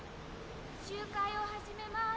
集会を始めます。